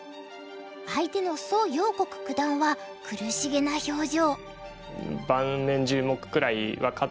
相手の蘇耀国九段は苦しげな表情。